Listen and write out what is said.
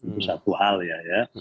itu satu hal ya